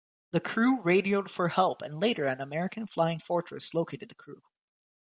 The crew radioed for help and later an American Flying Fortress located the crew.